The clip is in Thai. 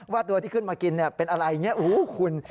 ตัวที่ขึ้นมากินเป็นอะไรอย่างนี้คุณ